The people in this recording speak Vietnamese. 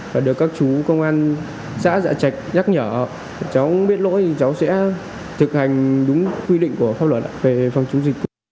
và được các chú công an xã dạ trạch nhắc nhở cháu biết lỗi thì cháu sẽ thực hành đúng quy định của pháp luật về phòng chống dịch